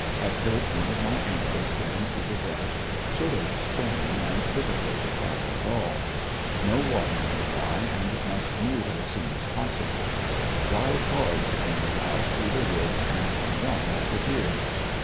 Have hurt one of my ankles getting through the brush ; sort of sprain, and difficult to travel at all. No water near by and must move as soon as possible. Wild hogs roam around through the woods, and can run like a deer.